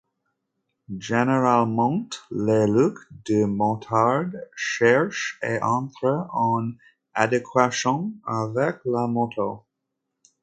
Généralement, le look du motard cherche à être en adéquation avec la moto.